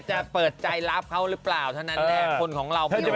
จะประเภทใจรับทุขเขาแล้ว